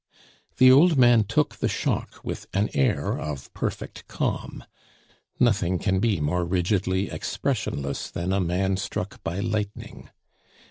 The old man took the shock with an air of perfect calm. Nothing can be more rigidly expressionless than a man struck by lightning.